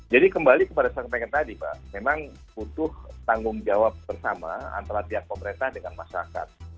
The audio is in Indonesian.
jadi kembali kepada sampaikan tadi pak memang butuh tanggung jawab bersama antara pihak pemerintah dengan masyarakat